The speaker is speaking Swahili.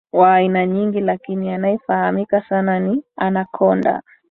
wa aina nyingi lakini anayefahamika sana ni Anacconda